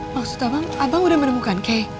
maksudnya bang abang udah menemukan kay